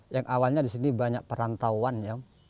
yang awalnya di sini banyak perantauan ya